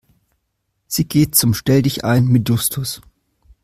Sie geht zum Stelldichein mit Justus.